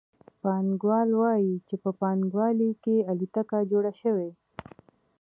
پانګوال وايي چې په پانګوالي کې الوتکه جوړه شوه